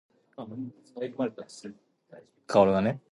Safely navigating it takes approximately three hours.